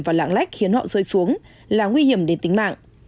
và lãng lách khiến họ rơi xuống là nguy hiểm đến tính mạng